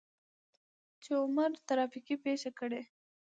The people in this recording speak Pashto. چې عمر ترافيکي پېښه کړى.